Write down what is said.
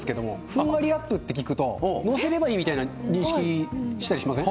ふんわりラップって聞くと、載せればいいみたいな認識したりしません？